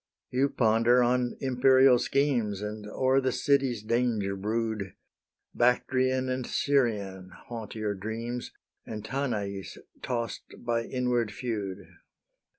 You ponder on imperial schemes, And o'er the city's danger brood: Bactrian and Serian haunt your dreams, And Tanais, toss'd by inward feud.